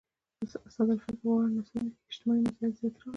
استاد الفت په غوره نثرونو کښي اجتماعي مسائل زیات راغلي.